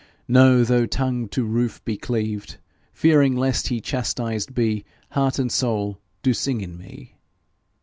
No, though tongue to roof be cleaved, Fearing lest he chastis'd be, Heart and soul do sing in me.